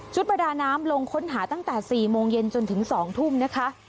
ประดาน้ำลงค้นหาตั้งแต่๔โมงเย็นจนถึง๒ทุ่มนะคะ